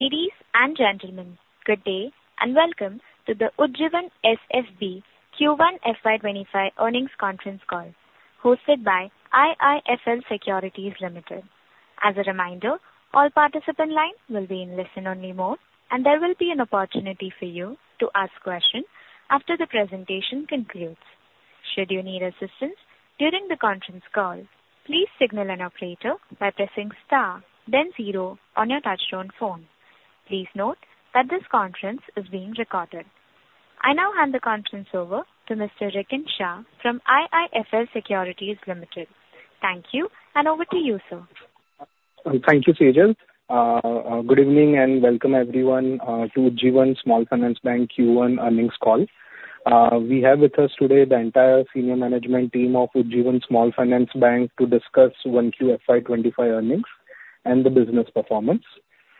Ladies and gentlemen, good day and welcome to the Ujjivan SFB Q1 FY 2025 earnings conference call, hosted by IIFL Securities Limited. As a reminder, all participants' lines will be in listen-only mode, and there will be an opportunity for you to ask questions after the presentation concludes. Should you need assistance during the conference call, please signal an operator by pressing star, then zero on your touch-tone phone. Please note that this conference is being recorded. I now hand the conference over to Mr. Rikin Shah from IIFL Securities Limited. Thank you, and over to you, sir. Thank you, Sejal. Good evening and welcome everyone to Ujjivan Small Finance Bank Q1 earnings call. We have with us today the entire senior management team of Ujjivan Small Finance Bank to discuss 1Q FY 2025 earnings and the business performance.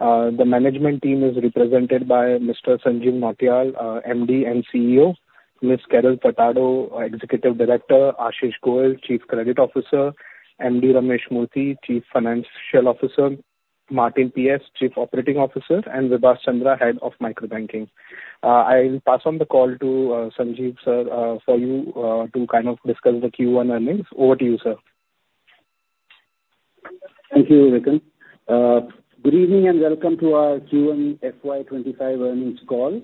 The management team is represented by Mr. Sanjeev Nautiyal, MD and CEO; Ms. Carol Furtado, Executive Director; Ashish Goel, Chief Credit Officer; M. D. Ramesh Murthy, Chief Financial Officer; Martin P. S., Chief Operating Officer; and Vibhas Chandra, Head of Microbanking. I'll pass on the call to Sanjeev, sir, for you to kind of discuss the Q1 earnings. Over to you, sir. Thank you, Rikin. Good evening and welcome to our Q1 FY 2025 earnings call.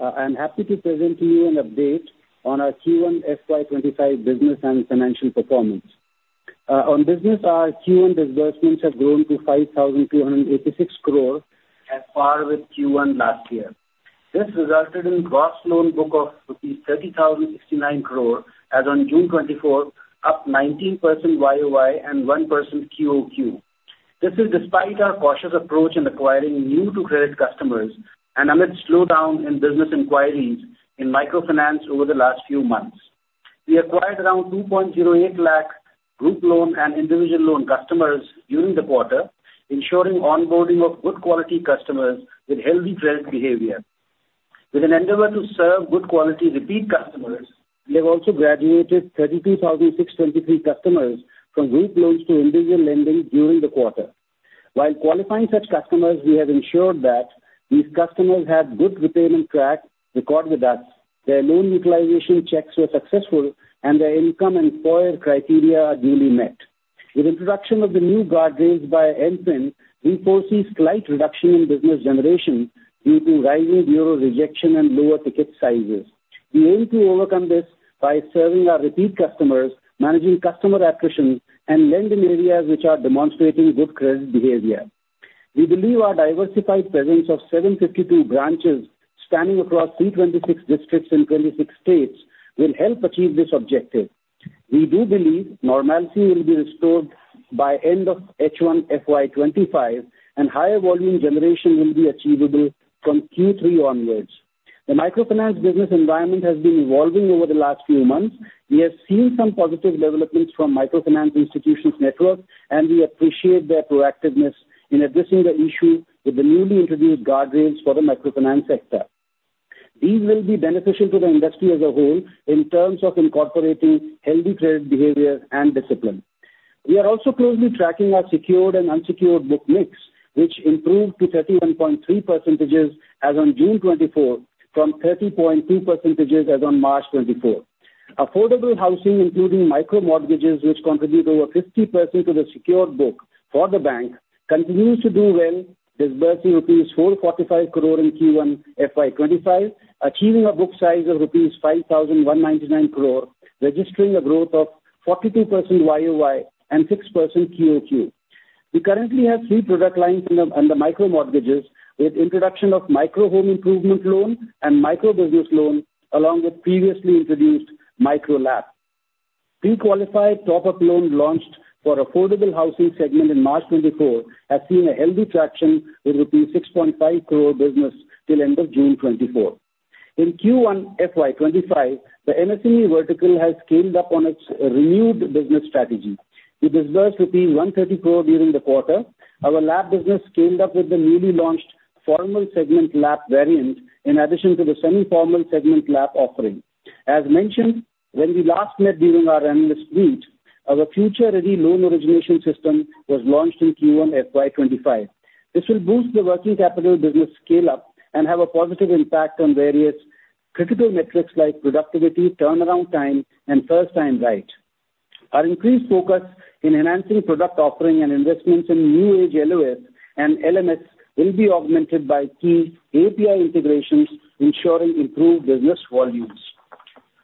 I'm happy to present to you an update on our Q1 FY 2025 business and financial performance. On business, our Q1 disbursements have grown to 5,286 crore as far as Q1 last year. This resulted in gross loan book of rupees 30,069 crore, as on June 24, 2024, up 19% year-over-year and 1% quarter-over-quarter. This is despite our cautious approach in acquiring new-to-credit customers and amidst slowdown in business inquiries in microfinance over the last few months. We acquired around 2.08 lakh group loan and individual loan customers during the quarter, ensuring onboarding of good-quality customers with healthy credit behavior. With an endeavor to serve good-quality repeat customers, we have also graduated 32,623 customers from group loans to individual lending during the quarter... While qualifying such customers, we have ensured that these customers have good repayment track record with us, their loan utilization checks were successful, and their income and FOIR criteria are duly met. With the introduction of the new guardrails by MFIN, we foresee slight reduction in business generation due to rising bureau rejection and lower ticket sizes. We aim to overcome this by serving our repeat customers, managing customer attrition, and lending areas which are demonstrating good credit behavior. We believe our diversified presence of 752 branches spanning across 326 districts in 26 states will help achieve this objective. We do believe normalcy will be restored by the end of H1 FY 2025, and higher volume generation will be achievable from Q3 onwards. The microfinance business environment has been evolving over the last few months. We have seen some positive developments from microfinance institutions' networks, and we appreciate their proactiveness in addressing the issue with the newly introduced guardrails for the microfinance sector. These will be beneficial to the industry as a whole in terms of incorporating healthy credit behavior and discipline. We are also closely tracking our secured and unsecured book mix, which improved to 31.3% as on June 2024 from 30.2% as on March 2024. Affordable housing, including micro-mortgages, which contribute over 50% to the secured book for the bank, continues to do well, disbursing rupees 445 crore in Q1 FY 2025, achieving a book size of rupees 5,199 crore, registering a growth of 42% year-over-year and 6% quarter-over-quarter. We currently have three product lines under micro-mortgages, with the introduction of micro-home improvement loan and micro-business loan, along with previously introduced micro-LAP. Pre-qualified top-up loan launched for the affordable housing segment in March 2024 has seen a healthy traction with rupees 6.5 crore business till end of June 2024. In Q1 FY 2025, the MSME vertical has scaled up on its renewed business strategy. We disbursed 130 crore during the quarter. Our LAP business scaled up with the newly launched formal segment LAP variant in addition to the semi-formal segment LAP offering. As mentioned, when we last met during our analyst meet, our future-ready loan origination system was launched in Q1 FY 2025. This will boost the working capital business scale-up and have a positive impact on various critical metrics like productivity, turnaround time, and first-time right. Our increased focus in enhancing product offering and investments in new-age LOS and LMS will be augmented by key API integrations, ensuring improved business volumes.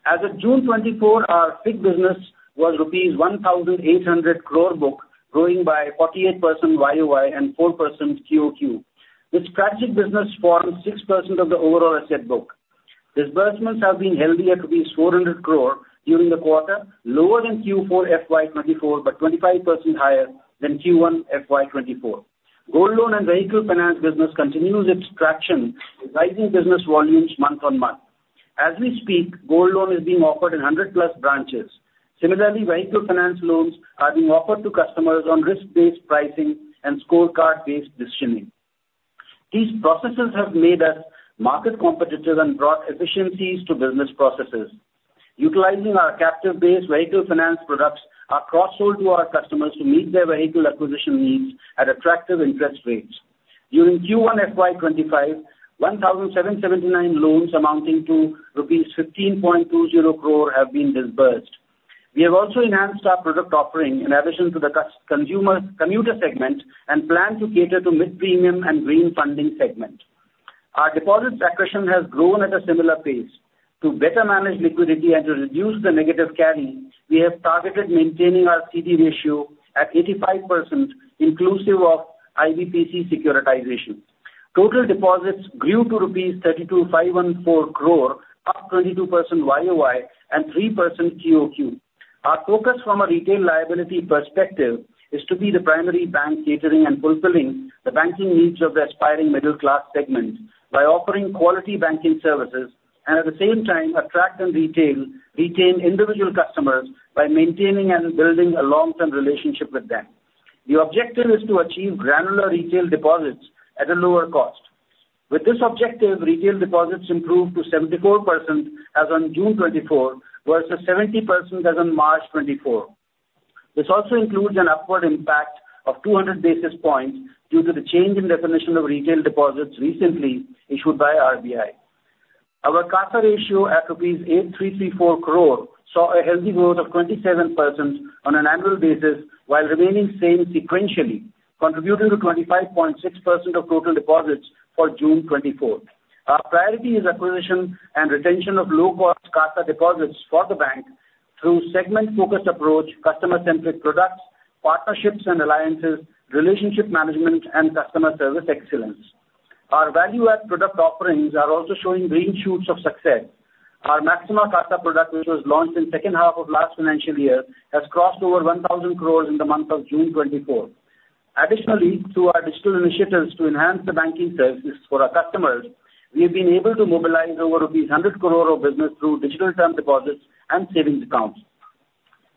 As of June 24, our secured business was rupees 1,800 crore book, growing by 48% year-over-year and 4% quarter-over-quarter. This secured business forms 6% of the overall asset book. Disbursements have been healthy at 400 crore during the quarter, lower than Q4 FY 2024 but 25% higher than Q1 FY 2024. Gold loan and vehicle finance business continues its traction, rising business volumes month-on-month. As we speak, gold loan is being offered in 100+ branches. Similarly, vehicle finance loans are being offered to customers on risk-based pricing and scorecard-based decisioning. These processes have made us market competitive and brought efficiencies to business processes. Utilizing our captive-based vehicle finance products, we cross-sold to our customers to meet their vehicle acquisition needs at attractive interest rates. During Q1 FY 2025, 1,779 loans amounting to rupees 15.20 crore have been disbursed. We have also enhanced our product offering in addition to the commuter segment and plan to cater to mid-premium and green funding segment. Our deposits acquisition has grown at a similar pace. To better manage liquidity and to reduce the negative carry, we have targeted maintaining our CD ratio at 85% inclusive of IBPC securitization. Total deposits grew to rupees 32,514 crore, up 22% year-over-year and 3% quarter-over-quarter. Our focus from a retail liability perspective is to be the primary bank catering and fulfilling the banking needs of the aspiring middle-class segment by offering quality banking services and, at the same time, attract and retain individual customers by maintaining and building a long-term relationship with them. The objective is to achieve granular retail deposits at a lower cost. With this objective, retail deposits improved to 74% as on June 2024 versus 70% as on March 2024. This also includes an upward impact of 200 basis points due to the change in definition of retail deposits recently issued by RBI. Our CASA ratio at 8,334 crore saw a healthy growth of 27% on an annual basis while remaining same sequentially, contributing to 25.6% of total deposits for June 2024. Our priority is acquisition and retention of low-cost CASA deposits for the bank through segment-focused approach, customer-centric products, partnerships and alliances, relationship management, and customer service excellence. Our value-add product offerings are also showing green shoots of success. Our Maxima CASA product, which was launched in the second half of last financial year, has crossed over 1,000 crores in the month of June 2024. Additionally, through our digital initiatives to enhance the banking services for our customers, we have been able to mobilize over rupees 100 crore of business through digital term deposits and savings accounts.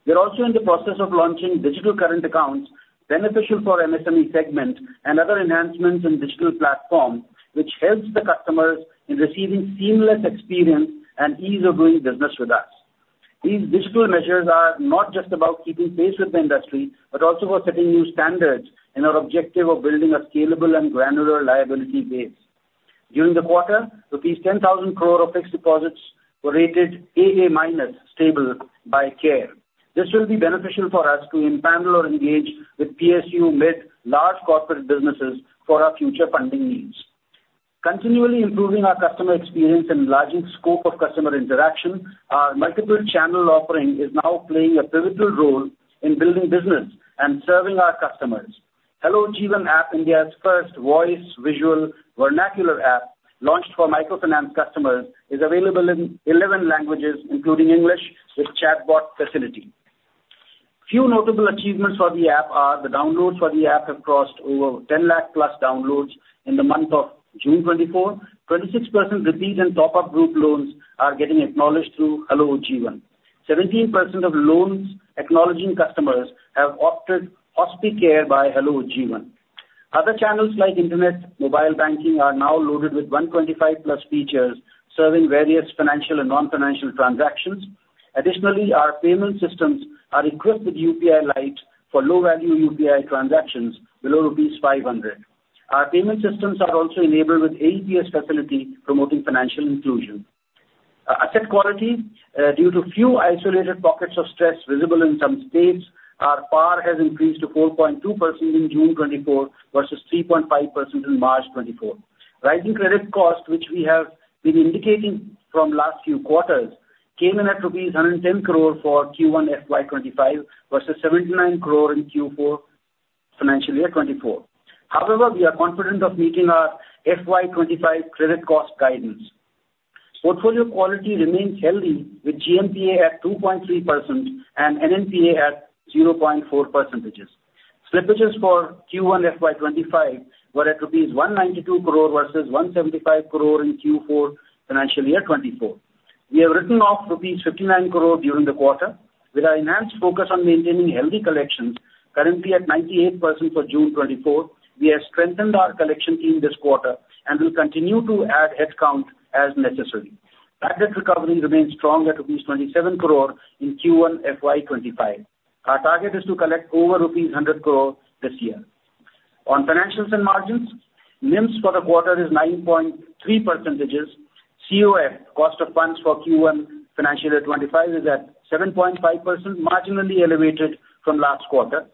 We are also in the process of launching digital current accounts beneficial for the MSME segment and other enhancements in digital platforms, which helps the customers in receiving seamless experience and ease of doing business with us. These digital measures are not just about keeping pace with the industry but also for setting new standards in our objective of building a scalable and granular liability base. During the quarter, rupees 10,000 crore of fixed deposits were rated AA minus stable by CARE. This will be beneficial for us to empanel or engage with PSU, mid, and large corporate businesses for our future funding needs. Continually improving our customer experience and enlarging the scope of customer interaction, our multiple-channel offering is now playing a pivotal role in building business and serving our customers. Hello Ujjivan, India's first voice, visual, vernacular app launched for microfinance customers is available in 11 languages, including English, with chatbot facility. Few notable achievements for the app are the downloads for the app have crossed over 10 lakh+ downloads in the month of June 2024. 26% repeat and top-up group loans are getting acknowledged through Hello Ujjivan. 17% of loans acknowledging customers have opted HospiCare by Hello Ujjivan. Other channels like internet, mobile banking are now loaded with 125+ features serving various financial and non-financial transactions. Additionally, our payment systems are equipped with UPI Lite for low-value UPI transactions below rupees 500. Our payment systems are also enabled with AePS facility promoting financial inclusion. Asset quality, due to few isolated pockets of stress visible in some states, our PAR has increased to 4.2% in June 2024 versus 3.5% in March 2024. Rising credit cost, which we have been indicating from last few quarters, came in at rupees 110 crore for Q1 FY 2025 versus 79 crore in Q4 financial year 2024. However, we are confident of meeting our FY 2025 credit cost guidance. Portfolio quality remains healthy with GNPA at 2.3% and NNPA at 0.4%. Slippages for Q1 FY 2025 were at rupees 192 crore versus 175 crore in Q4 financial year 2024. We have written off rupees 59 crore during the quarter. With our enhanced focus on maintaining healthy collections, currently at 98% for June 2024, we have strengthened our collection team this quarter and will continue to add headcount as necessary. Target recovery remains strong at INR 27 crore in Q1 FY 2025. Our target is to collect over rupees 100 crore this year. On financials and margins, NIMS for the quarter is 9.3%. COF, cost of funds for Q1 financial year 2025, is at 7.5%, marginally elevated from last quarter,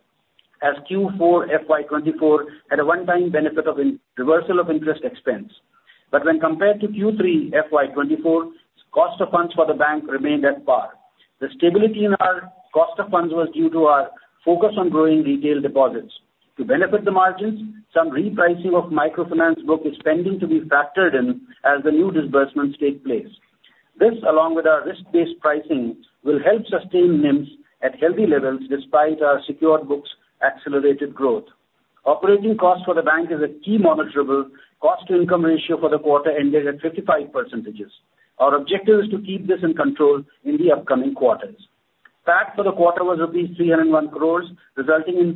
as Q4 FY 2024 had a one-time benefit of reversal of interest expense. But when compared to Q3 FY 2024, cost of funds for the bank remained at par. The stability in our cost of funds was due to our focus on growing retail deposits. To benefit the margins, some repricing of microfinance book is pending to be factored in as the new disbursements take place. This, along with our risk-based pricing, will help sustain NIMS at healthy levels despite our secured books' accelerated growth. Operating cost for the bank is a key monitorable cost-to-income ratio for the quarter ended at 55%. Our objective is to keep this in control in the upcoming quarters. PAT for the quarter was rupees 301 crore, resulting in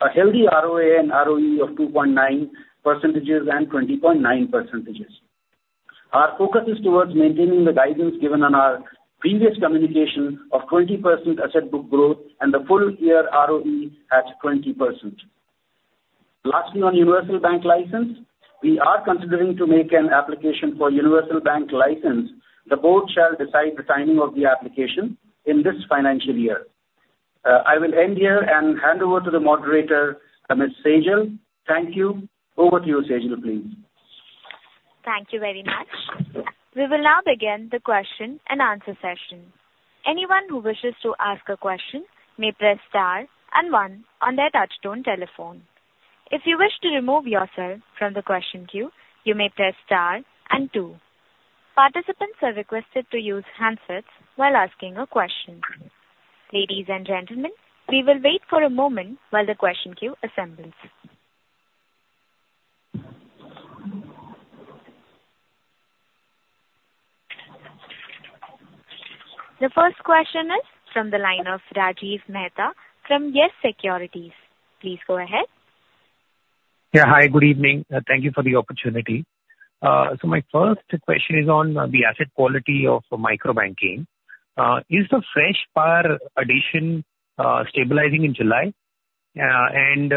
a healthy ROA and ROE of 2.9% and 20.9%. Our focus is towards maintaining the guidance given on our previous communication of 20% asset book growth and the full-year ROE at 20%. Lastly, on Universal Bank License, we are considering making an application for Universal Bank License. The board shall decide the timing of the application in this financial year. I will end here and hand over to the moderator, Ms. Sejal. Thank you. Over to you, Sejal, please. Thank you very much. We will now begin the question and answer session. Anyone who wishes to ask a question may press star and one on their touch-tone telephone. If you wish to remove yourself from the question queue, you may press star and two. Participants are requested to use handsets while asking a question. Ladies and gentlemen, we will wait for a moment while the question queue assembles. The first question is from the line of Rajiv Mehta from YES Securities. Please go ahead. Yeah, hi, good evening. Thank you for the opportunity. So my first question is on the asset quality of microbanking. Is the fresh PAR addition stabilizing in July? And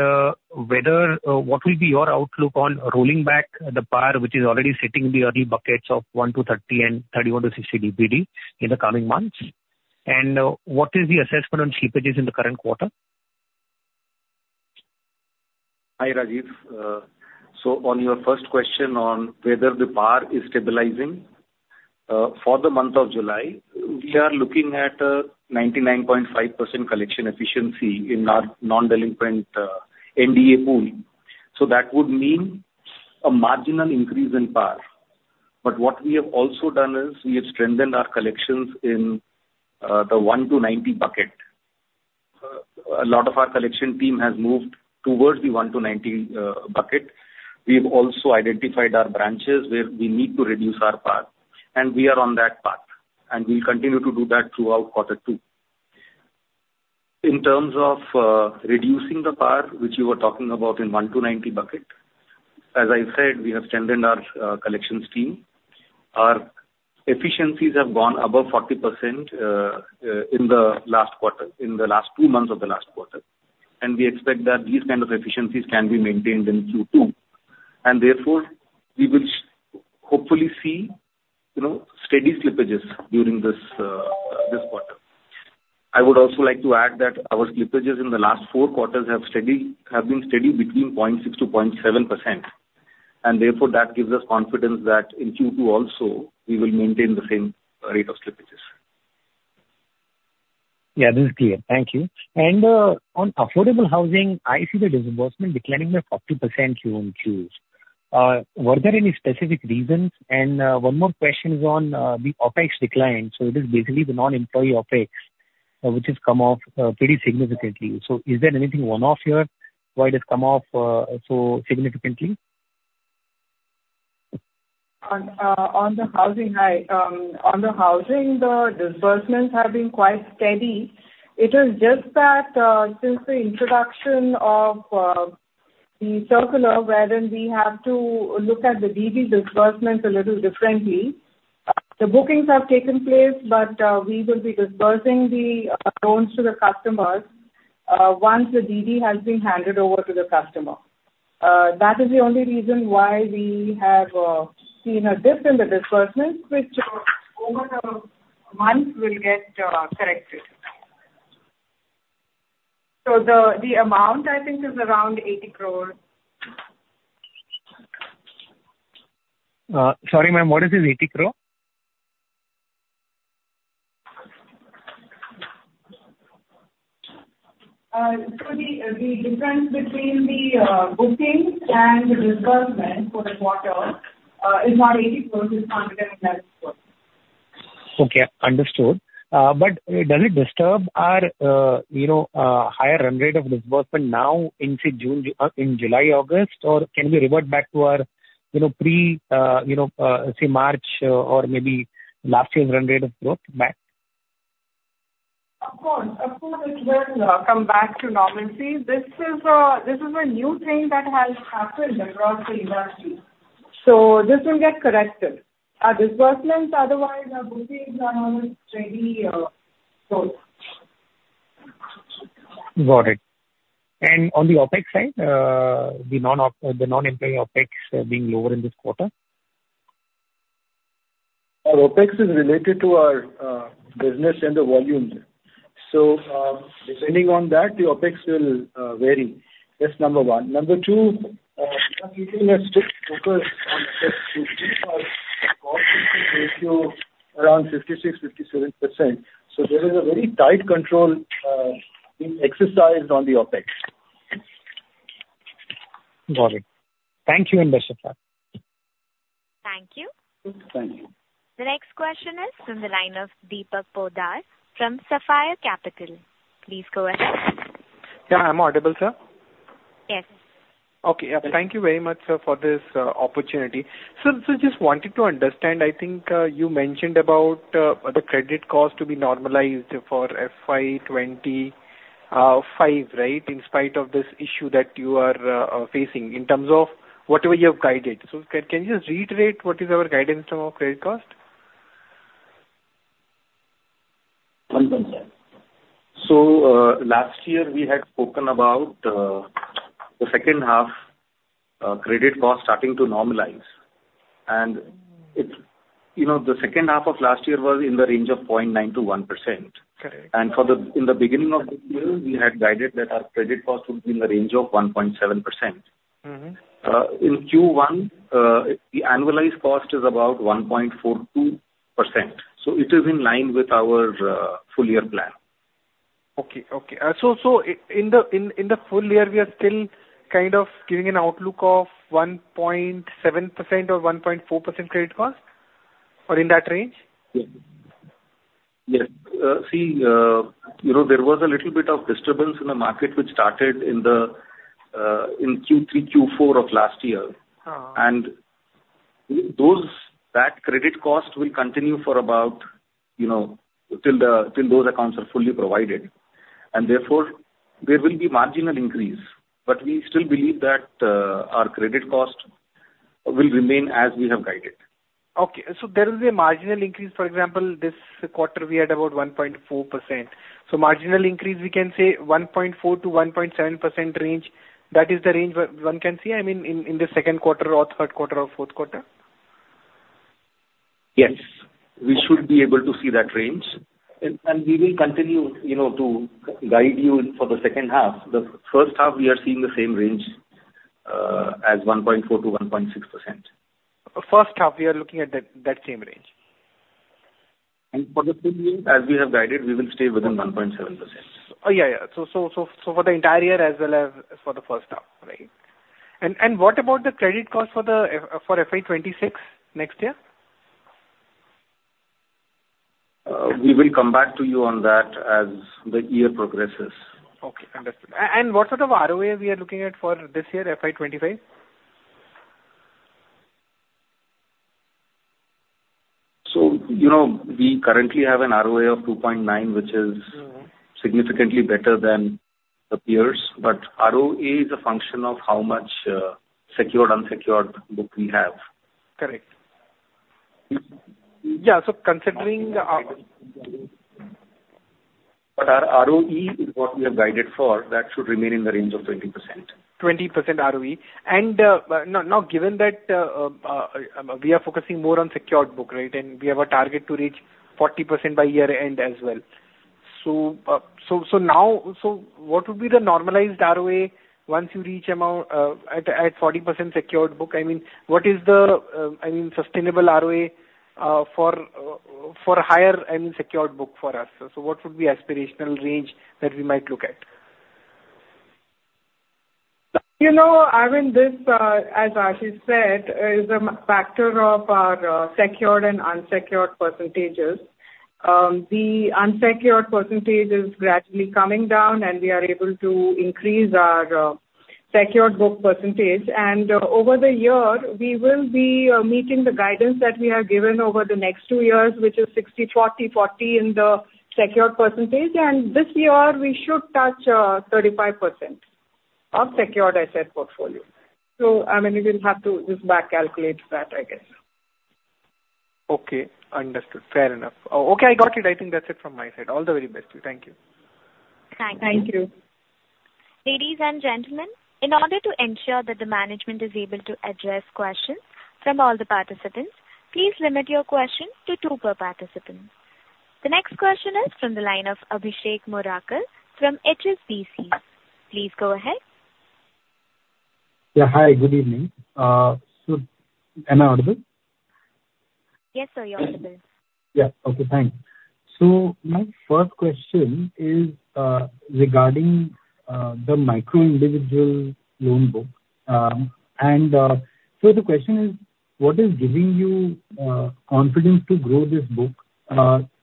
what will be your outlook on rolling back the PAR, which is already sitting in the early buckets of 1-30 and 31-60 DPD in the coming months? And what is the assessment on slippages in the current quarter? Hi, Rajiv. So on your first question on whether the PAR is stabilizing for the month of July, we are looking at a 99.5% collection efficiency in our non-delinquent NDA pool. So that would mean a marginal increase in PAR. But what we have also done is we have strengthened our collections in the 1-90 bucket. A lot of our collection team has moved towards the 1-90 bucket. We have also identified our branches where we need to reduce our PAR. We are on that path. We'll continue to do that throughout quarter two. In terms of reducing the PAR, which you were talking about in 1-90 bucket, as I said, we have strengthened our collections team. Our efficiencies have gone above 40% in the last quarter, in the last two months of the last quarter. We expect that these kinds of efficiencies can be maintained in Q2. Therefore, we will hopefully see steady slippages during this quarter. I would also like to add that our slippages in the last four quarters have been steady between 0.6%-0.7%. Therefore, that gives us confidence that in Q2 also, we will maintain the same rate of slippages. Yeah, this is clear. Thank you. On affordable housing, I see the disbursement declining by 40% quarter-over-quarter. Were there any specific reasons? One more question is on the OpEx decline. So it is basically the non-employee OpEx, which has come off pretty significantly. So is there anything one-off here? Why it has come off so significantly? On the housing, hi. On the housing, the disbursements have been quite steady. It is just that since the introduction of the circular, wherein we have to look at the DD disbursements a little differently, the bookings have taken place, but we will be disbursing the loans to the customers once the DD has been handed over to the customer. That is the only reason why we have seen a dip in the disbursements, which over a month will get corrected. So the amount, I think, is around 80 crore. Sorry, ma'am, what is this 80 crore? So the difference between the bookings and the disbursements for the quarter is not 80 crore, it's 111 crore. Okay, understood. But does it disturb our higher run rate of disbursement now in July, August, or can we revert back to our pre-March or maybe last year's run rate of growth back? Of course. Of course, it will come back to normalcy. This is a new thing that has happened across the industry. So this will get corrected. Our disbursements, otherwise, our bookings are always steady growth. Got it. And on the OpEx side, the non-employee OpEx being lower in this quarter? Our OpEx is related to our business and the volume. So depending on that, the OpEx will vary. That's number one. Number two, because we've been strict focused on OpEx, we've seen our costs increase to around 56%, 57%. So there is a very tight control being exercised on the OpEx. Got it. Thank you and best of luck. Thank you. Thank you. The next question is from the line of Deepak Poddar from Sapphire Capital. Please go ahead. Yeah, I'm audible, sir? Yes. Okay. Thank you very much, sir, for this opportunity. So just wanted to understand, I think you mentioned about the credit cost to be normalized for FY 2025, right, in spite of this issue that you are facing in terms of whatever you have guided. So can you just reiterate what is our guidance term of credit cost? One moment, sir. So last year, we had spoken about the second half credit cost starting to normalize. And the second half of last year was in the range of 0.9%-1%. In the beginning of the year, we had guided that our credit cost would be in the range of 1.7%. In Q1, the annualized cost is about 1.42%. It is in line with our full-year plan. Okay. Okay. In the full year, we are still kind of giving an outlook of 1.7% or 1.4% credit cost, or in that range? Yes. See, there was a little bit of disturbance in the market, which started in Q3, Q4 of last year. And that credit cost will continue for about till those accounts are fully provided. And therefore, there will be marginal increase. But we still believe that our credit cost will remain as we have guided. Okay. There is a marginal increase. For example, this quarter, we had about 1.4%. Marginal increase, we can say 1.4%-1.7% range. That is the range one can see, I mean, in the second quarter or third quarter or fourth quarter? Yes. We should be able to see that range. And we will continue to guide you for the second half. The first half, we are seeing the same range as 1.4%-1.6%. First half, we are looking at that same range. And for the full year, as we have guided, we will stay within 1.7%. Oh, yeah, yeah. So for the entire year as well as for the first half, right? And what about the credit cost for FY 2026 next year? We will come back to you on that as the year progresses. Okay. Understood. And what sort of ROA we are looking at for this year, FY 2025? So we currently have an ROA of 2.9, which is significantly better than appears. ROA is a function of how much secured, unsecured book we have. Correct. Yeah. So considering the ROE is what we have guided for, that should remain in the range of 20%. 20% ROE. And now, given that we are focusing more on secured book, right, and we have a target to reach 40% by year-end as well. So now, what would be the normalized ROA once you reach at 40% secured book? I mean, what is the, I mean, sustainable ROA for higher, I mean, secured book for us? So what would be the aspirational range that we might look at? I mean, this, as Rajiv said, is a factor of our secured and unsecured percentages. The unsecured percentage is gradually coming down, and we are able to increase our secured book percentage. Over the year, we will be meeting the guidance that we have given over the next two years, which is 60-40-40 in the secured percentage. This year, we should touch 35% of secured asset portfolio. So I mean, we will have to just back-calculate that, I guess. Okay. Understood. Fair enough. Okay. I got it. I think that's it from my side. All the very best to you. Thank you. Thank you. Thank you. Ladies and gentlemen, in order to ensure that the management is able to address questions from all the participants, please limit your question to two per participant. The next question is from the line of Abhishek Murarka from HSBC. Please go ahead. Yeah. Hi, good evening. So am I audible? Yes, sir, you're audible. Yeah. Okay. Thanks. So my first question is regarding the micro-individual loan book. The question is, what is giving you confidence to grow this book?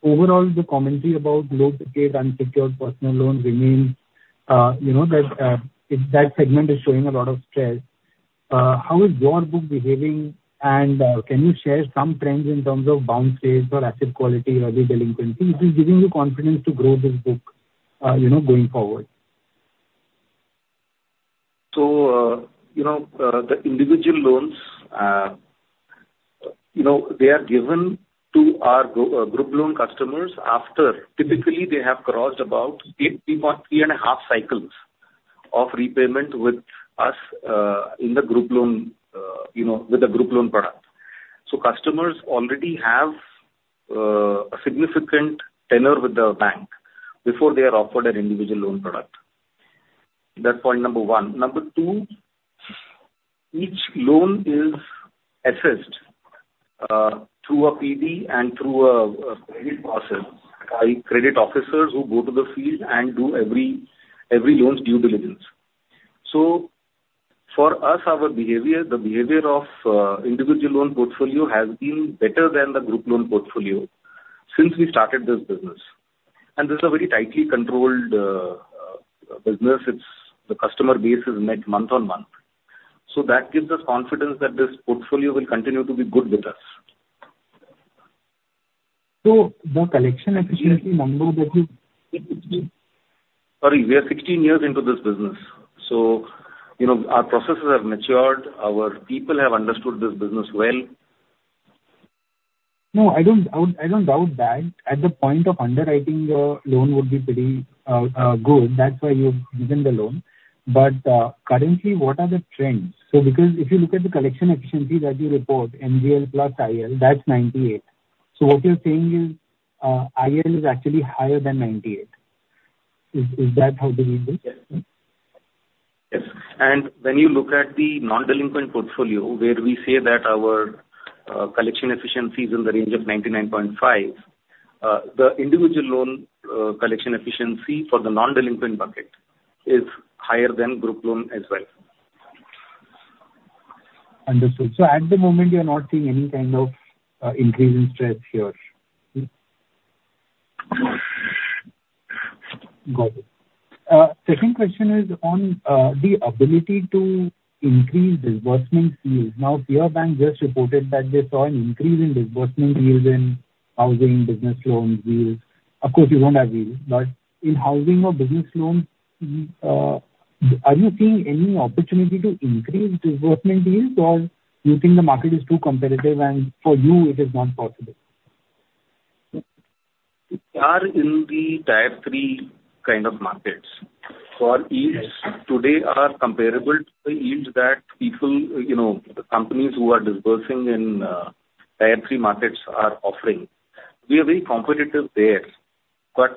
Overall, the commentary about low-pay and secured personal loans remains that that segment is showing a lot of stress. How is your book behaving, and can you share some trends in terms of bounce rates or asset quality or delinquency? What is giving you confidence to grow this book going forward? The individual loans, they are given to our group loan customers after, typically, they have crossed about 3.5 cycles of repayment with us in the group loan with the group loan product. Customers already have a significant tenor with the bank before they are offered an individual loan product. That's point number one. Number two, each loan is assessed through a PD and through a credit process by credit officers who go to the field and do every loan's due diligence. So for us, the behavior of individual loan portfolio has been better than the group loan portfolio since we started this business. And this is a very tightly controlled business. The customer base is met month-on-month. So that gives us confidence that this portfolio will continue to be good with us. So the collection efficiency, number that you— Sorry, we are 16 years into this business. So our processes have matured. Our people have understood this business well. No, I don't doubt that. At the point of underwriting, the loan would be pretty good. That's why you've given the loan. But currently, what are the trends? So because if you look at the collection efficiency that you report, NGL plus IL, that's 98%. So what you're saying is IL is actually higher than 98%. Is that how you read this? Yes. And when you look at the non-delinquent portfolio, where we say that our collection efficiency is in the range of 99.5%, the individual loan collection efficiency for the non-delinquent bucket is higher than group loan as well. Understood. So at the moment, you're not seeing any kind of increase in stress here? Got it. Second question is on the ability to increase disbursement yield. Now, Peer banks just reported that they saw an increase in disbursement yield in housing, business loans, yields, of course, you don't have yields, but in housing or business loans, are you seeing any opportunity to increase disbursement yields, or do you think the market is too competitive and for you, it is not possible? We are in the tier-three kind of markets. So our yields today are comparable to the yields that the companies who are disbursing in tier-three markets are offering. We are very competitive there. But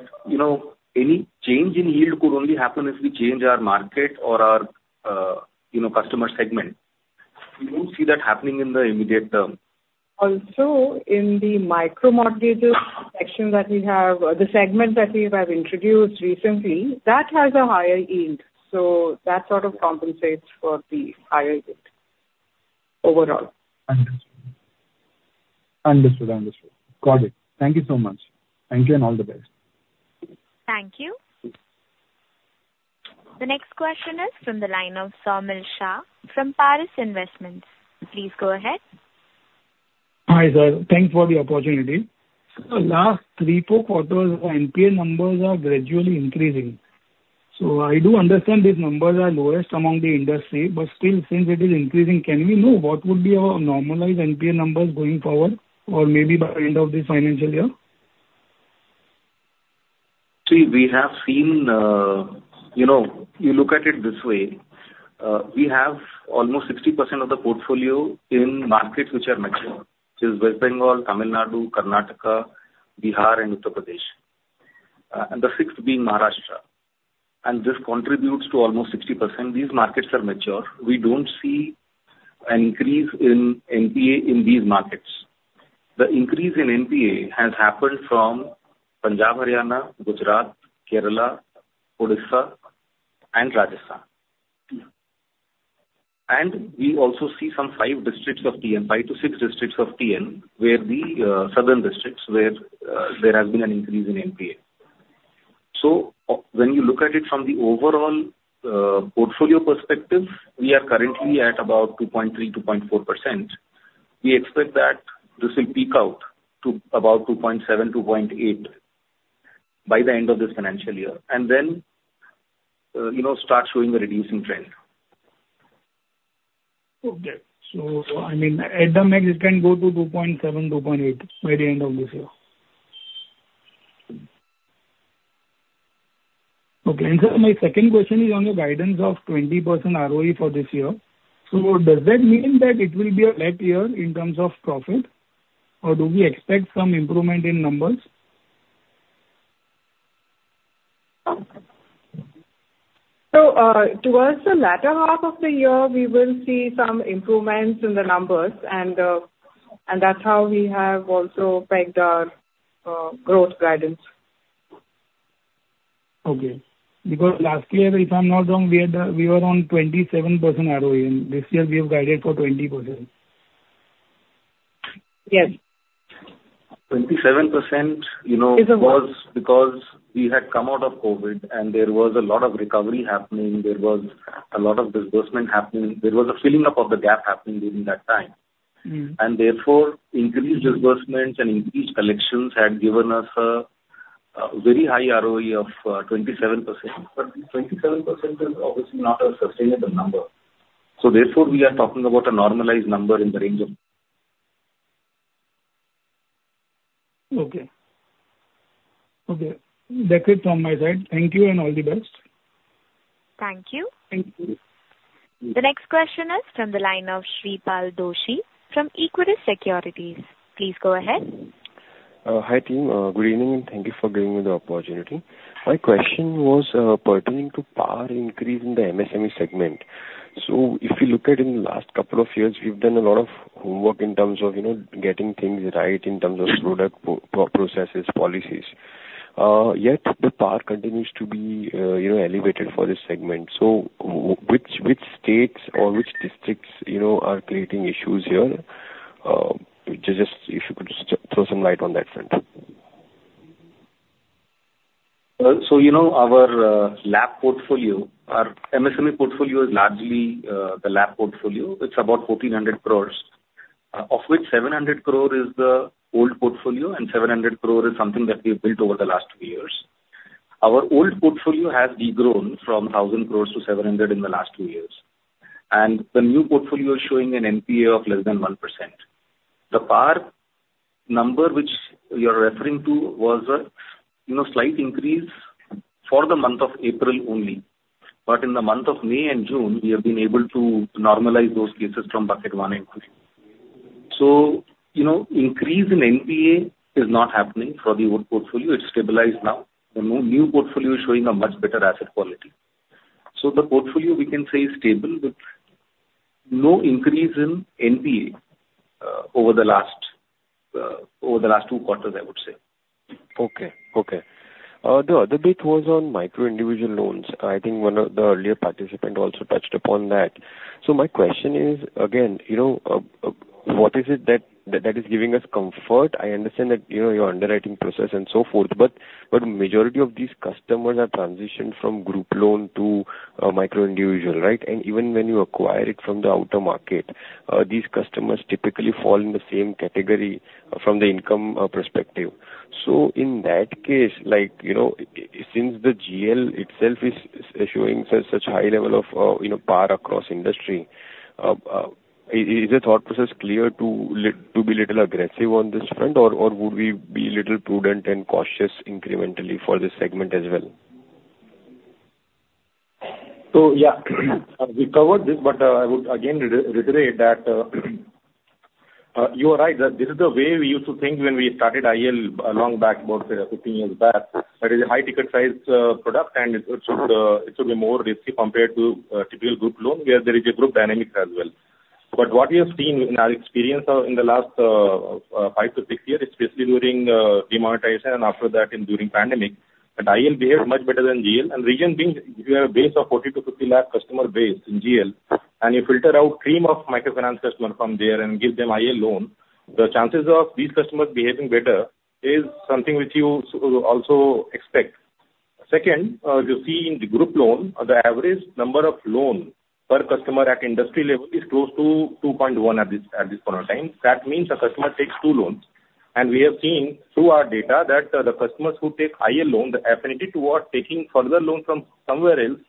any change in yield could only happen if we change our market or our customer segment. We don't see that happening in the immediate term. Also, in the Micro Mortgages section that we have, the segment that we have introduced recently, that has a higher yield. So that sort of compensates for the higher yield overall. Understood. Understood. Understood. Got it. Thank you so much. Thank you and all the best. Thank you. The next question is from the line of Somil Shah from Paras Investments. Please go ahead. Hi, sir. Thanks for the opportunity. The last three, four quarters, the NPL numbers are gradually increasing. So I do understand these numbers are lowest among the industry. But still, since it is increasing, can we know what would be our normalized NPL numbers going forward or maybe by the end of this financial year? See, we have seen you look at it this way. We have almost 60% of the portfolio in markets which are mature, which is West Bengal, Tamil Nadu, Karnataka, Bihar, and Uttar Pradesh. And the sixth being Maharashtra. And this contributes to almost 60%. These markets are mature. We don't see an increase in NPA in these markets. The increase in NPA has happened from Punjab, Haryana, Gujarat, Kerala, Odisha, and Rajasthan. We also see some five districts of TN, five to six districts of TN, where the southern districts where there has been an increase in NPA. So when you look at it from the overall portfolio perspective, we are currently at about 2.3%-2.4%. We expect that this will peak out to about 2.7%-2.8% by the end of this financial year and then start showing a reducing trend. Okay. So I mean, at the max, it can go to 2.7%-2.8% by the end of this year. Okay. And sir, my second question is on the guidance of 20% ROE for this year. So does that mean that it will be a flat year in terms of profit, or do we expect some improvement in numbers? So towards the latter half of the year, we will see some improvements in the numbers. And that's how we have also pegged our growth guidance. Okay. Because last year, if I'm not wrong, we were on 27% ROE. And this year, we have guided for 20%. Yes. 27% was because we had come out of COVID, and there was a lot of recovery happening. There was a lot of disbursement happening. There was a filling up of the gap happening during that time. And therefore, increased disbursements and increased collections had given us a very high ROE of 27%. But 27% is obviously not a sustainable number. So therefore, we are talking about a normalized number in the range of. Okay. Okay. That's it from my side. Thank you and all the best. Thank you. Thank you. The next question is from the line of Shreepal Doshi from Equirus Securities. Please go ahead. Hi team. Good evening, and thank you for giving me the opportunity. My question was pertaining to PAR increase in the MSME segment. So if you look at it in the last couple of years, we've done a lot of homework in terms of getting things right in terms of product processes, policies. Yet, the PAR continues to be elevated for this segment. So which states or which districts are creating issues here? Just if you could throw some light on that front. So our LAP portfolio, our MSME portfolio is largely the LAP portfolio. It's about 1,400 crore, of which 700 crore is the old portfolio, and 700 crore is something that we have built over the last two years. Our old portfolio has regrown from 1,000 crore to 700 crore in the last two years. And the new portfolio is showing an NPA of less than 1%. The PAR number, which you're referring to, was a slight increase for the month of April only. But in the month of May and June, we have been able to normalize those cases from bucket one and two. So increase in NPA is not happening for the old portfolio. It's stabilized now. The new portfolio is showing a much better asset quality. So the portfolio, we can say, is stable with no increase in NPA over the last two quarters, I would say.`` Okay. Okay. The other bit was on micro-individual loans. I think one of the earlier participants also touched upon that. So my question is, again, what is it that is giving us comfort? I understand that your underwriting process and so forth. But the majority of these customers are transitioned from group loan to micro-individual, right? And even when you acquire it from the other market, these customers typically fall in the same category from the income perspective. So in that case, since the GL itself is showing such high level of PAR across industry, is the thought process clear to be a little aggressive on this front, or would we be a little prudent and cautious incrementally for this segment as well? So yeah, we covered this, but I would again reiterate that you are right that this is the way we used to think when we started IL a long back, about 15 years back. That is a high-ticket size product, and it should be more risky compared to typical group loan, where there is a group dynamic as well. But what we have seen in our experience in the last five-six years, especially during demonetization and after that and during the pandemic, that IL behaved much better than GL. And the reason being, you have a base of 40 lakh-50 lakh customer base in GL, and you filter out a cream of microfinance customers from there and give them IL loan. The chances of these customers behaving better is something which you also expect. Second, you see in the group loan, the average number of loans per customer at industry level is close to 2.1 at this point of time. That means a customer takes two loans. And we have seen through our data that the customers who take IL loan, the affinity toward taking further loans from somewhere else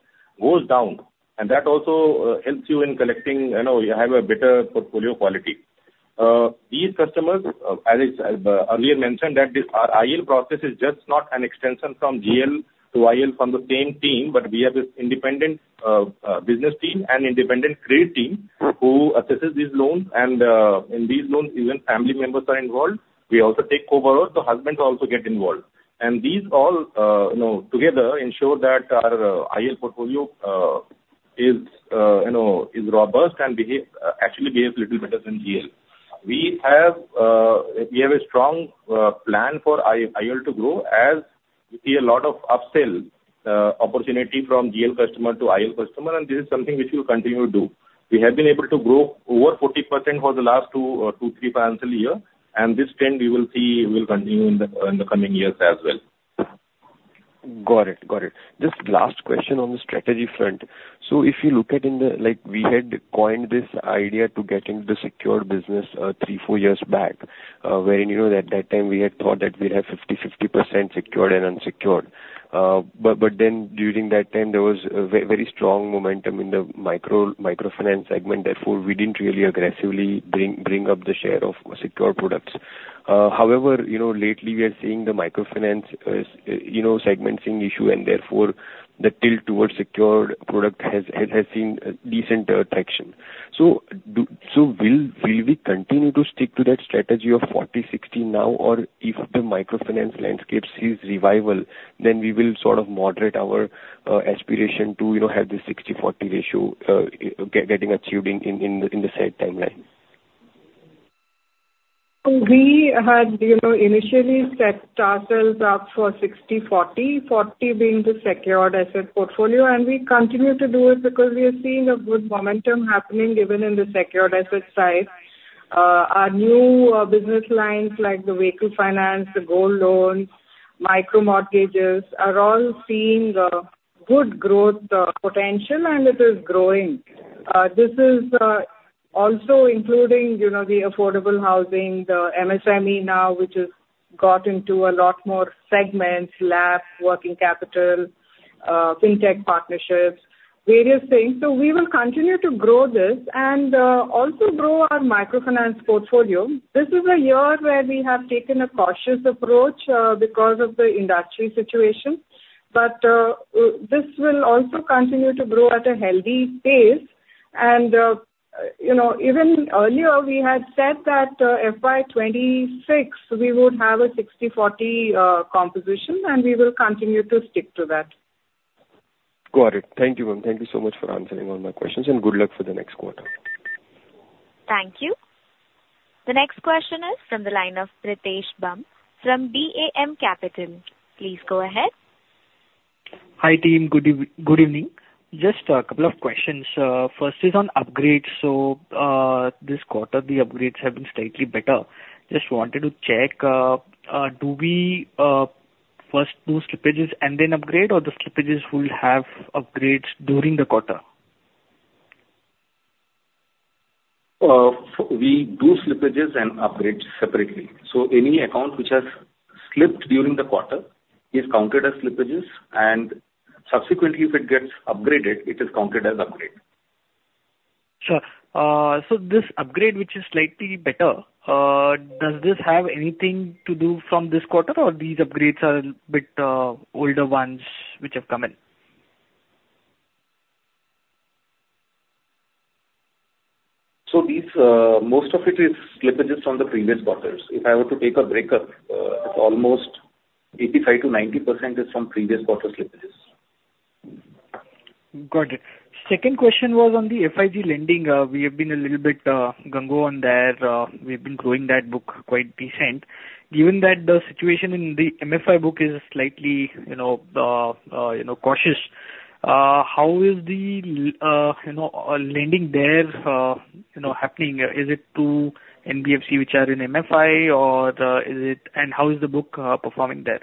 goes down. And that also helps you in collecting, you have a better portfolio quality. These customers, as I earlier mentioned, that our IL process is just not an extension from GL to IL from the same team, but we have this independent business team and independent credit team who assesses these loans. In these loans, even family members are involved. We also take overall, the husbands also get involved. These all together ensure that our IL portfolio is robust and actually behaves a little better than GL. We have a strong plan for IL to grow as we see a lot of upsell opportunity from GL customers to IL customers, and this is something which we will continue to do. We have been able to grow over 40% for the last two, three, financial years, and this trend we will see will continue in the coming years as well. Got it. Got it. Just last question on the strategy front. So if you look at it, we had coined this idea to get into the secure business three-four years back, wherein at that time, we had thought that we'd have 50%-50% secured and unsecured. But then during that time, there was a very strong momentum in the microfinance segment. Therefore, we didn't really aggressively bring up the share of secure products. However, lately, we are seeing the microfinance segment seeing issues, and therefore, the tilt towards secure product has seen decent traction. So will we continue to stick to that strategy of 40/60 now, or if the microfinance landscape sees revival, then we will sort of moderate our aspiration to have the 60/40 ratio getting achieved in the set timeline? We had initially set ourselves up for 60/40, 40 being the secured asset portfolio, and we continue to do it because we are seeing a good momentum happening even in the secured asset side. Our new business lines, like the vehicle finance, the gold loans, micro-mortgages, are all seeing good growth potential, and it is growing. This is also including the affordable housing, the MSME now, which has gotten to a lot more segments, LAP, working capital, fintech partnerships, various things. So we will continue to grow this and also grow our microfinance portfolio. This is a year where we have taken a cautious approach because of the industry situation. But this will also continue to grow at a healthy pace. And even earlier, we had said that FY 2026, we would have a 60/40 composition, and we will continue to stick to that. Got it. Thank you, ma'am. Thank you so much for answering all my questions, and good luck for the next quarter. Thank you. The next question is from the line of Pritesh Bumb from DAM Capital. Please go ahead. Hi team. Good evening. Just a couple of questions. First is on upgrades. So this quarter, the upgrades have been slightly better. Just wanted to check, do we first do slippages and then upgrade, or the slippages will have upgrades during the quarter? We do slippages and upgrades separately. So any account which has slipped during the quarter is counted as slippages, and subsequently, if it gets upgraded, it is counted as upgrade. Sure. So this upgrade, which is slightly better, does this have anything to do from this quarter, or these upgrades are a bit older ones which have come in? So most of it is slippages from the previous quarters. If I were to take a breakup, it's almost 85%-90% is from previous quarter slippages. Got it. Second question was on the FIG lending. We have been a little bit gung-ho on there. We've been growing that book quite decent. Given that the situation in the MFI book is slightly cautious, how is the lending there happening? Is it to NBFC, which are in MFI, or is it—and how is the book performing there?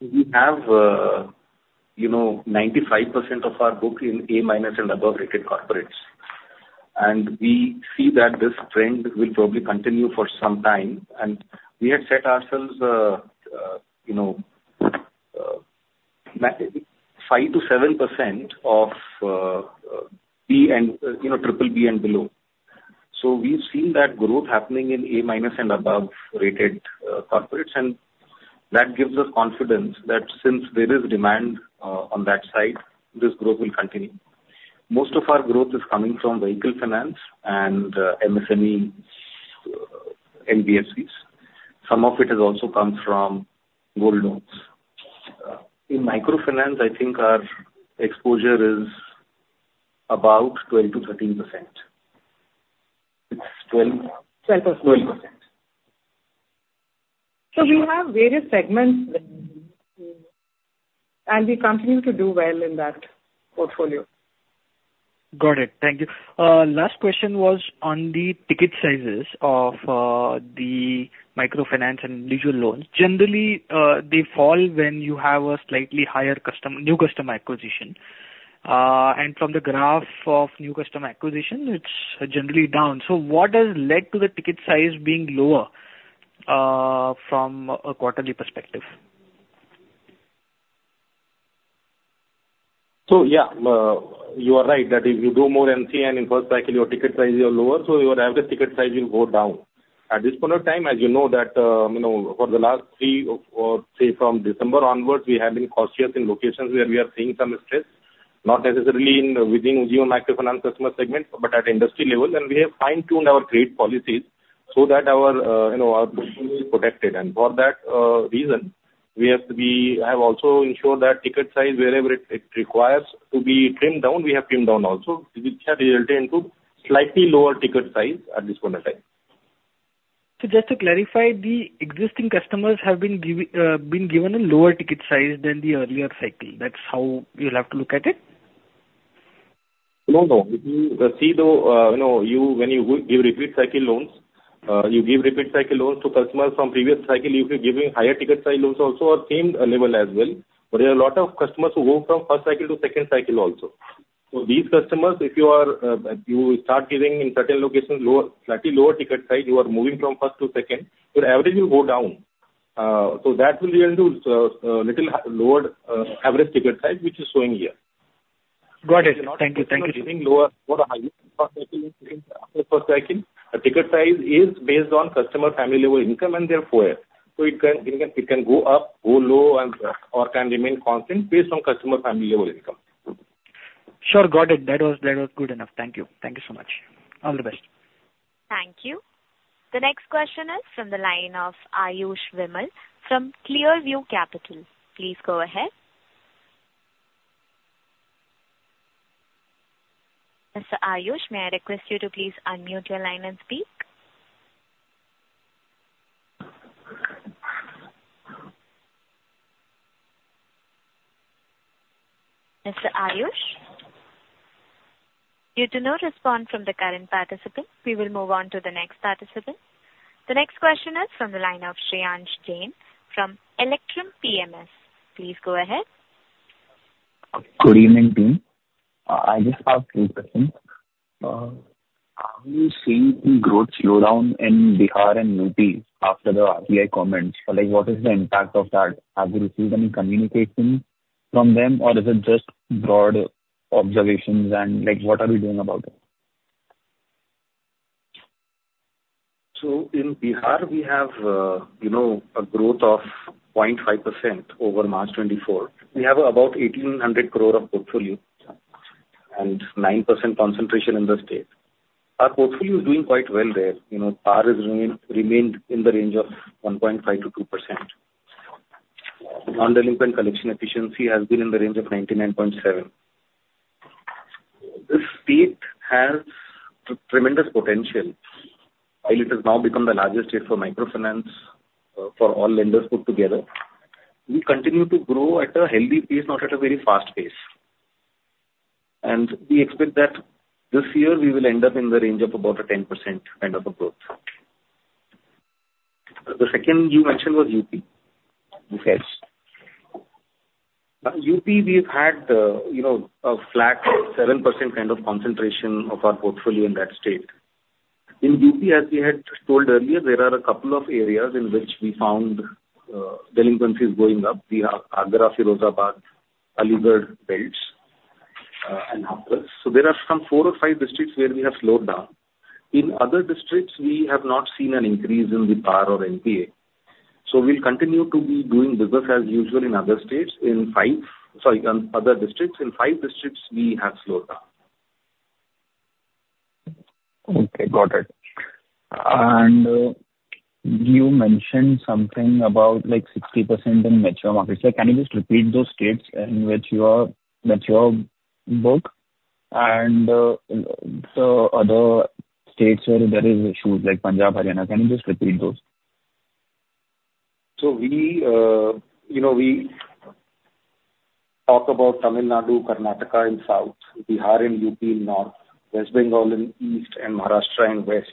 We have 95% of our book in A-minus and above-rated corporates. And we see that this trend will probably continue for some time. And we had set ourselves 5%-7% of B and Triple B and below. So we've seen that growth happening in A-minus and above-rated corporates, and that gives us confidence that since there is demand on that side, this growth will continue. Most of our growth is coming from vehicle finance and MSME, NBFCs. Some of it has also come from gold loans. In microfinance, I think our exposure is about 12%-13%. It's 12. 12%. 12%. So we have various segments, and we continue to do well in that portfolio. Got it. Thank you. Last question was on the ticket sizes of the microfinance and individual loans. Generally, they fall when you have a slightly higher new customer acquisition. And from the graph of new customer acquisition, it's generally down. So what has led to the ticket size being lower from a quarterly perspective? So yeah, you are right that if you do more NCI and inverse cycle, your ticket size is lower, so your average ticket size will go down. At this point of time, as you know, that for the last three, say, from December onwards, we have been cautious in locations where we are seeing some stress, not necessarily within Ujjivan microfinance customer segment, but at industry level. We have fine-tuned our trade policies so that our portfolio is protected. For that reason, we have also ensured that ticket size, wherever it requires to be trimmed down, we have trimmed down also, which has resulted in slightly lower ticket size at this point of time. Just to clarify, the existing customers have been given a lower ticket size than the earlier cycle. That's how you'll have to look at it? No, no. If you see, though, when you give repeat cycle loans, you give repeat cycle loans to customers from previous cycle, you'll be giving higher ticket size loans also at the same level as well. But there are a lot of customers who go from first cycle to second cycle also. So these customers, if you start giving in certain locations slightly lower ticket size, you are moving from first to second, your average will go down. So that will result in a little lower average ticket size, which is showing here. Got it. Thank you. Thank you. If you're giving lower or higher ticket size in the first cycle, the ticket size is based on customer family level income and therefore. So it can go up, go low, or can remain constant based on customer family level income. Sure. Got it. That was good enough. Thank you. Thank you so much. All the best. Thank you. The next question is from the line of Ayush Vimal from Clearview Capital. Please go ahead. Mr. Ayush, may I request you to please unmute your line and speak? Mr. Ayush? You do not respond from the current participant. We will move on to the next participant. The next question is from the line of Shreyansh Jain from Electrum PMS. Please go ahead. Good evening, team. I just have a quick question. Are you seeing any growth slowdown in Bihar and UP after the RBI comments? What is the impact of that? Have you received any communication from them, or is it just broad observations, and what are we doing about it? So in Bihar, we have a growth of 0.5% over March 2024. We have about 1,800 crore of portfolio and 9% concentration in the state. Our portfolio is doing quite well there. PAR has remained in the range of 1.5%-2%. Non-delinquent collection efficiency has been in the range of 99.7%. This state has tremendous potential. It has now become the largest state for microfinance for all lenders put together. We continue to grow at a healthy pace, not at a very fast pace. And we expect that this year, we will end up in the range of about a 10% kind of a growth. The second you mentioned was UP. UP? UP, we've had a flat 7% kind of concentration of our portfolio in that state. In UP, as we had told earlier, there are a couple of areas in which we found delinquencies going up. We have Agra, Firozabad, Aligarh belts, and other places. So there are some four or five districts where we have slowed down. In other districts, we have not seen an increase in the PAR or NPA. So we'll continue to be doing business as usual in other states in five, sorry, in other districts. In five districts, we have slowed down. Okay. Got it. And you mentioned something about 60% in metro markets. Can you just repeat those states in which you are that you have booked? And the other states where there are issues, like Punjab, Haryana, can you just repeat those? So we talk about Tamil Nadu, Karnataka in south, Bihar and UP in north, West Bengal in east, and Maharashtra in west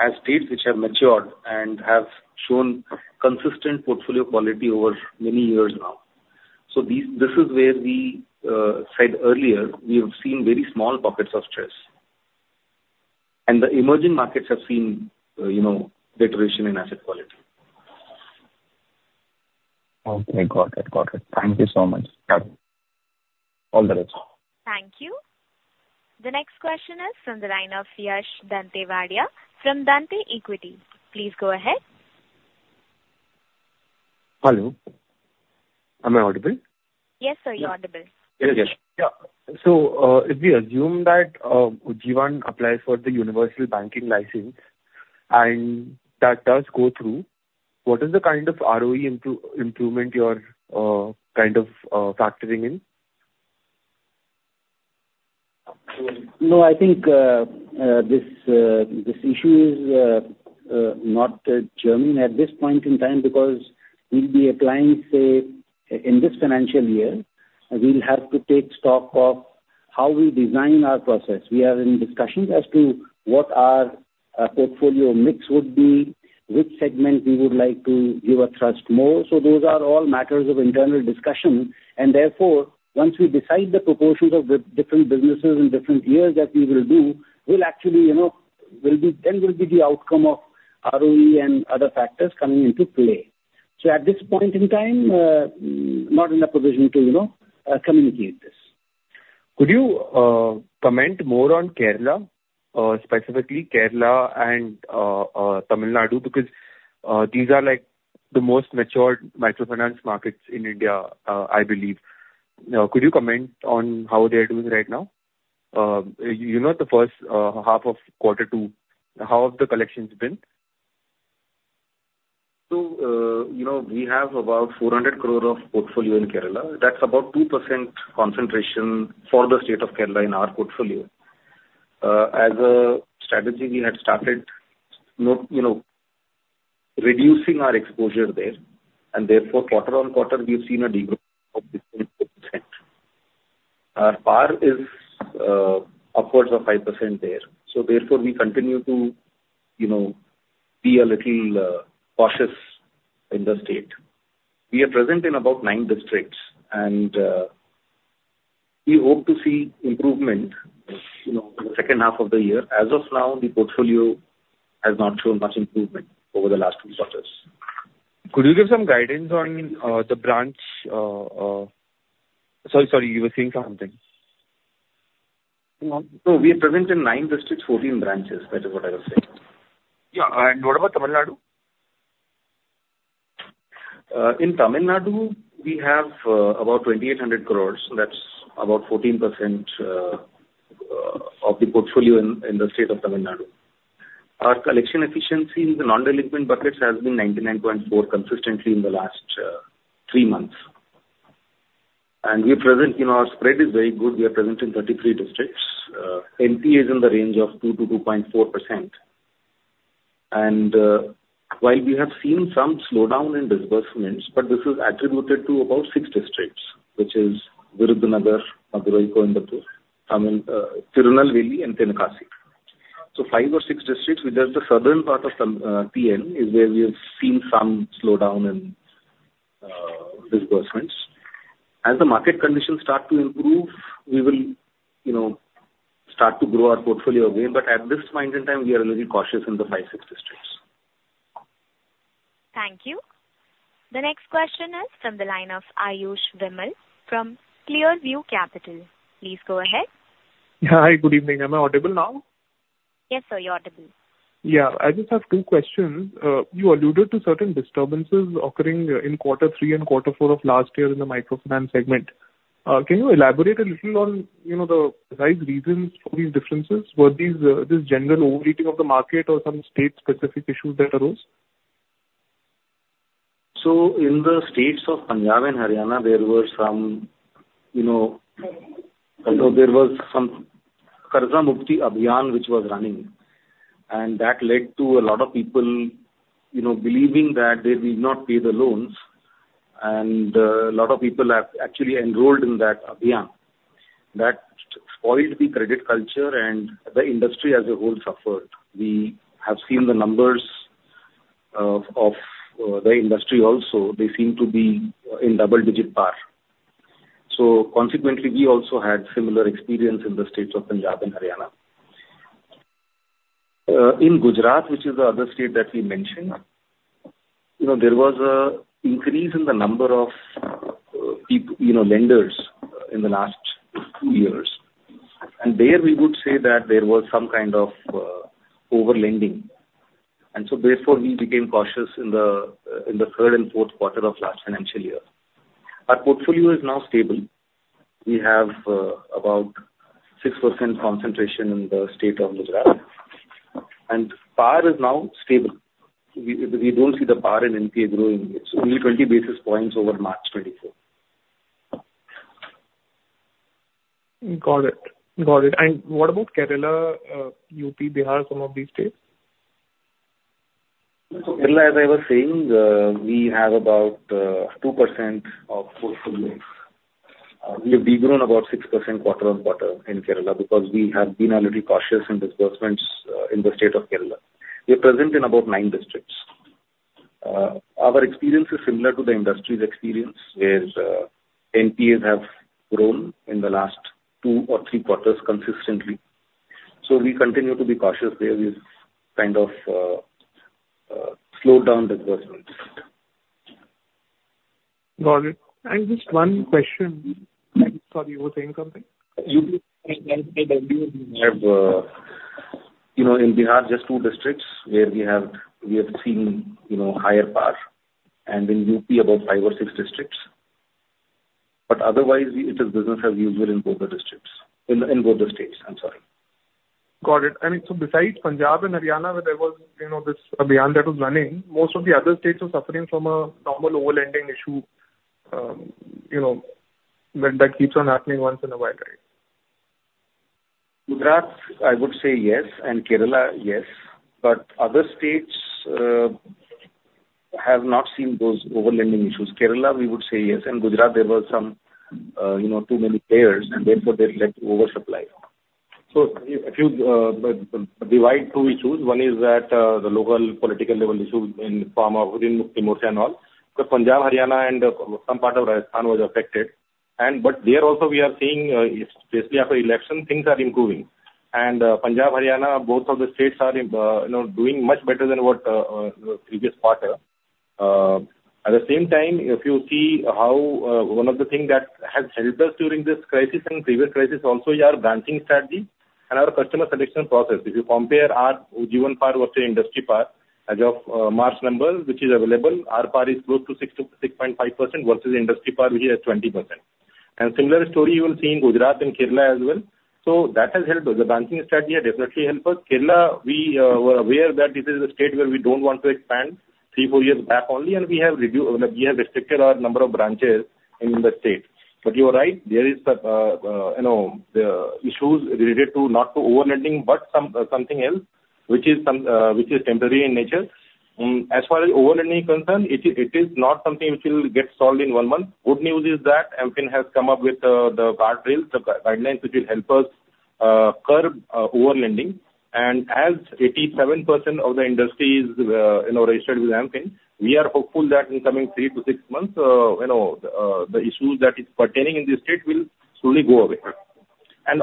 as states which have matured and have shown consistent portfolio quality over many years now. So this is where we said earlier, we have seen very small pockets of stress. And the emerging markets have seen deterioration in asset quality. Okay. Got it. Got it. Thank you so much. All the best. Thank you. The next question is from the line of Yash Dantewadia from Dante Equity. Please go ahead. Hello. Am I audible? Yes, sir. You're audible. Yes, yes. Yeah. So if we assume that Ujjivan applies for the universal banking license and that does go through, what is the kind of ROE improvement you're kind of factoring in? No, I think this issue is not germane at this point in time because we'll be applying, say, in this financial year, we'll have to take stock of how we design our process. We are in discussions as to what our portfolio mix would be, which segment we would like to give a thrust more. So those are all matters of internal discussion. Therefore, once we decide the proportions of different businesses in different years that we will do, we'll actually, then will be the outcome of ROE and other factors coming into play. So at this point in time, not in a position to communicate this. Could you comment more on Kerala, specifically Kerala and Tamil Nadu? Because these are the most matured microfinance markets in India, I believe. Could you comment on how they are doing right now? You know the first half of quarter two, how have the collections been? So we have about 400 crore of portfolio in Kerala. That's about 2% concentration for the state of Kerala in our portfolio. As a strategy, we had started reducing our exposure there. And therefore, quarter-on-quarter, we've seen a degree of different percent. Our PAR is upwards of 5% there. Therefore, we continue to be a little cautious in the state. We are present in about nine districts, and we hope to see improvement in the second half of the year. As of now, the portfolio has not shown much improvement over the last two quarters. Could you give some guidance on the branch? Sorry, sorry. You were saying something. No, we are present in nine districts, 14 branches. That is what I was saying. Yeah. And what about Tamil Nadu? In Tamil Nadu, we have about 2,800 crores. That's about 14% of the portfolio in the state of Tamil Nadu. Our collection efficiency in the non-delinquent buckets has been 99.4% consistently in the last three months. And we are present. Our spread is very good. We are present in 33 districts. NPA is in the range of 2%-2.4%. While we have seen some slowdown in disbursements, but this is attributed to about six districts, which is Virudhunagar, Madurai Coimbatore, Tirunelveli, and Tenkasi. Five or six districts, which is the southern part of TN, is where we have seen some slowdown in disbursements. As the market conditions start to improve, we will start to grow our portfolio again. At this point in time, we are a little cautious in the five, six districts. Thank you. The next question is from the line of Ayush Vimal from Clearview Capital. Please go ahead. Hi, good evening. Am I audible now? Yes, sir. You're audible. Yeah. I just have two questions. You alluded to certain disturbances occurring in quarter three and quarter four of last year in the microfinance segment. Can you elaborate a little on the precise reasons for these differences? Was this general overheating of the market or some state-specific issues that arose? So in the states of Punjab and Haryana, there was some Karza Mukti Abhiyan, which was running. And that led to a lot of people believing that they did not pay the loans. And a lot of people have actually enrolled in that Abhiyan. That spoiled the credit culture, and the industry as a whole suffered. We have seen the numbers of the industry also. They seem to be in double-digit PAR. So consequently, we also had similar experience in the states of Punjab and Haryana. In Gujarat, which is the other state that we mentioned, there was an increase in the number of lenders in the last two years. And there, we would say that there was some kind of overlending. So therefore, we became cautious in the third and fourth quarter of last financial year. Our portfolio is now stable. We have about 6% concentration in the state of Gujarat. And PAR is now stable. We don't see the PAR in NPA growing. It's only 20 basis points over March 2024. Got it. Got it. And what about Kerala, UP, Bihar, some of these states? So Kerala, as I was saying, we have about 2% of portfolio. We have degrown about 6% quarter-on-quarter in Kerala because we have been a little cautious in disbursements in the state of Kerala. We are present in about nine districts. Our experience is similar to the industry's experience where NPAs have grown in the last two or three quarters consistently. So we continue to be cautious there with kind of slowed down disbursements. Got it. And just one question. Sorry, you were saying something? In Bihar, just two districts where we have seen higher PAR. And in UP, about five or six districts. But otherwise, it is business as usual in both the districts. In both the states, I'm sorry. Got it. I mean, so besides Punjab and Haryana, where there was this abhiyan that was running, most of the other states are suffering from a normal overlending issue that keeps on happening once in a while, right? Gujarat, I would say yes. And Kerala, yes. But other states have not seen those overlending issues. Kerala, we would say yes. In Gujarat, there were too many players, and therefore, that led to oversupply. So if you divide two issues, one is that the local political level issues in Karza Mukti Abhiyan, and all. But Punjab, Haryana, and some part of Rajasthan were affected. But there also, we are seeing, especially after elections, things are improving. And Punjab, Haryana, both of the states are doing much better than what the previous quarter. At the same time, if you see how one of the things that has helped us during this crisis and previous crisis also is our branching strategy and our customer selection process. If you compare our Ujjivan PAR versus industry PAR as of March number, which is available, our PAR is close to 6.5% versus industry PAR, which is at 20%. And similar story you will see in Gujarat and Kerala as well. So that has helped. The branching strategy has definitely helped us. Kerala, we were aware that this is a state where we don't want to expand three, four years back only, and we have restricted our number of branches in the state. But you're right. There are issues related to not to overlending, but something else, which is temporary in nature. As far as overlending is concerned, it is not something which will get solved in one month. Good news is that MFIN has come up with the guidelines which will help us curb overlending. As 87% of the industry is registered with MFIN, we are hopeful that in coming three-six months, the issues that are pertaining in the state will slowly go away.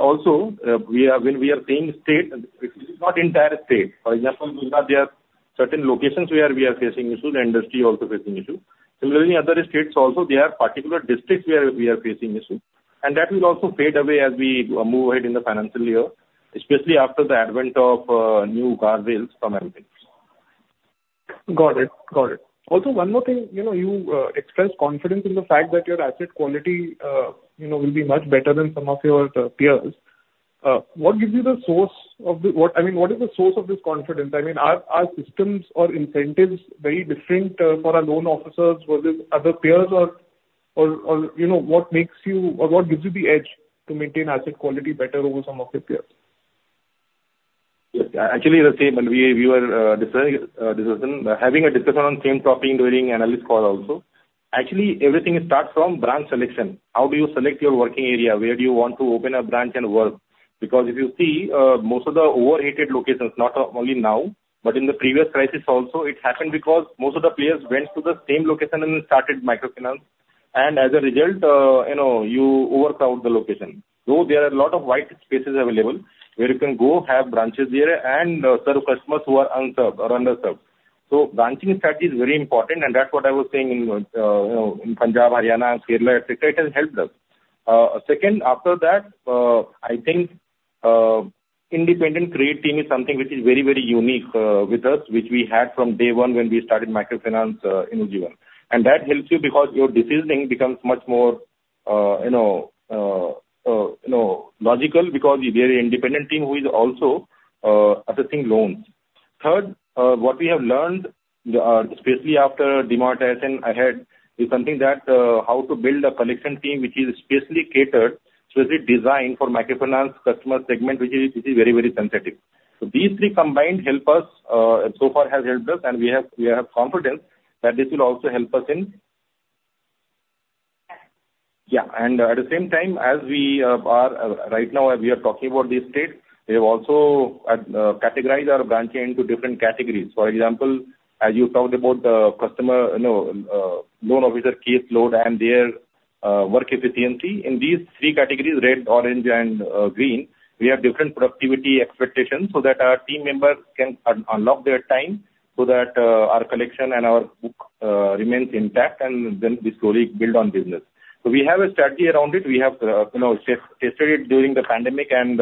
Also, when we are seeing state, it's not entire state. For example, Gujarat, there are certain locations where we are facing issues, and industry is also facing issues. Similarly, in other states also, there are particular districts where we are facing issues. That will also fade away as we move ahead in the financial year, especially after the advent of new guardrails from MFIN. Got it. Got it. Also, one more thing. You expressed confidence in the fact that your asset quality will be much better than some of your peers. What gives you the source of the—I mean, what is the source of this confidence? I mean, are systems or incentives very different for our loan officers versus other peers? Or what makes you—or what gives you the edge to maintain asset quality better over some of your peers? Actually, the same. And we were having a discussion on the same topic during the analyst call also. Actually, everything starts from branch selection. How do you select your working area? Where do you want to open a branch and work? Because if you see, most of the overheated locations, not only now, but in the previous crisis also, it happened because most of the players went to the same location and started microfinance. As a result, you overcrowd the location. Though there are a lot of white spaces available where you can go have branches there and serve customers who are unserved or underserved. Branching strategy is very important. And that's what I was saying in Punjab, Haryana, Kerala, etc. It has helped us. Second, after that, I think independent credit team is something which is very, very unique with us, which we had from day one when we started microfinance in Ujjivan. And that helps you because your decisioning becomes much more logical because we are an independent team who is also assessing loans. Third, what we have learned, especially after demonetization, is something that how to build a collection team which is specially catered, specially designed for microfinance customer segment, which is very, very sensitive. So these three combined help us so far have helped us, and we have confidence that this will also help us in. Yeah. And at the same time, as we are right now, we are talking about these states, we have also categorized our branching into different categories. For example, as you talked about the customer loan officer case load and their work efficiency, in these three categories, red, orange, and green, we have different productivity expectations so that our team members can unlock their time so that our collection and our book remains intact and then we slowly build on business. So we have a strategy around it. We have tested it during the pandemic and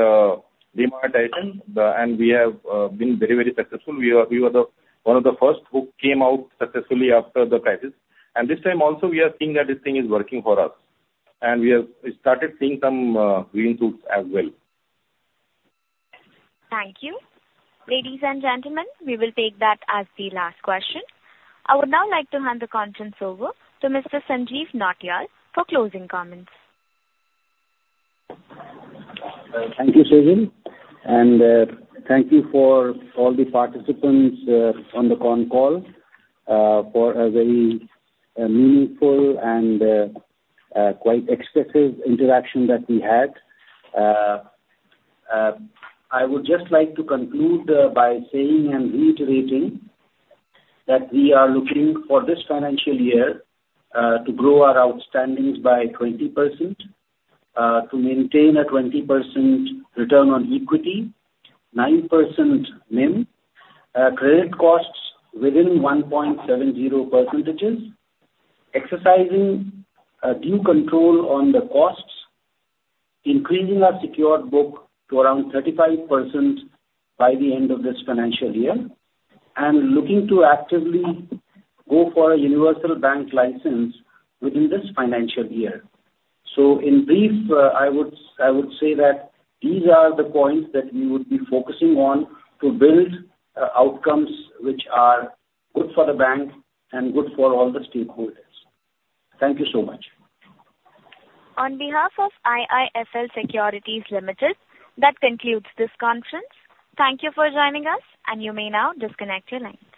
demonetization, and we have been very, very successful. We were one of the first who came out successfully after the crisis. This time also, we are seeing that this thing is working for us. And we have started seeing some green shoots as well. Thank you. Ladies and gentlemen, we will take that as the last question. I would now like to hand the call over to Mr. Sanjeev Nautiyal for closing comments. Thank you, Sejal. Thank you for all the participants on the con call for a very meaningful and quite expressive interaction that we had. I would just like to conclude by saying and reiterating that we are looking for this financial year to grow our outstandings by 20%, to maintain a 20% return on equity, 9% NIM, credit costs within 1.70%, exercising due control on the costs, increasing our secured book to around 35% by the end of this financial year, and looking to actively go for a Universal Bank License within this financial year. In brief, I would say that these are the points that we would be focusing on to build outcomes which are good for the bank and good for all the stakeholders. Thank you so much. On behalf of IIFL Securities Limited, that concludes this conference. Thank you for joining us, and you may now disconnect your lines.